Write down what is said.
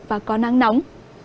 và có nắng dần hơn